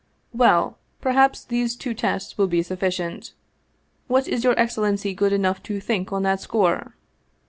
" Well, perhaps these two tests will be sufficient. What is your excellency good enough to think on that score